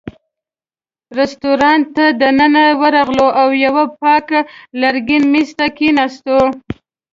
رېستورانت ته دننه ورغلو او یوه پاک لرګین مېز ته کېناستو.